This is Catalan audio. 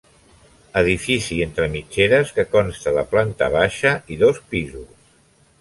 Edifici entre mitgeres que consta de planta baixa i dos pisos.